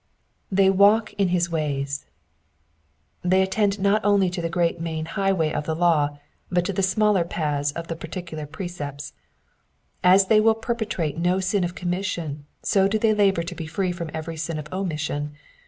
2%«y walk in his ways,'''* They attend not only to the great main high way of the law, but to the smaller paths of the particular , precepts. As they will perpetrate no sin of commission, so do they labour to be free from every sin of omission.